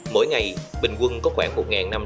mỗi ngày bình quân có khoảng một triệu đồng